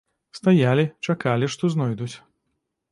Стаялі, чакалі, што знойдуць.